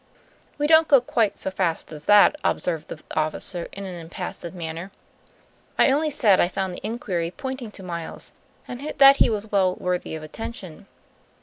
"We don't go quite so fast as that," observed the officer, in an impassive manner. "I only said I found the inquiry pointing to Miles; and that he was well worthy of attention.